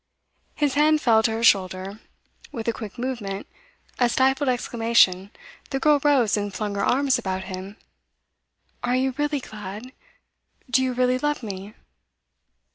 His hand fell to her shoulder. With a quick movement, a stifled exclamation, the girl rose and flung her arms about him. 'Are you really glad? Do you really love me?